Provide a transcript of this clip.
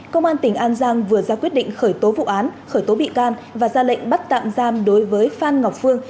công an tỉnh an giang vừa ra quyết định khởi tố vụ án khởi tố bị can và ra lệnh bắt tạm giam đối với phan ngọc phương